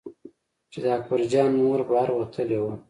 چې د اکبر جان مور بهر وتلې وه.